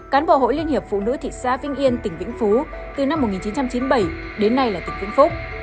cán bộ hội liên hiệp phụ nữ thị xã vĩnh yên tỉnh vĩnh phú từ năm một nghìn chín trăm chín mươi bảy đến nay là tỉnh vĩnh phúc